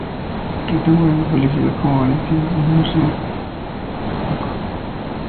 Rita Moreno fue elegida como Valentina, una versión modificada del personaje Doc.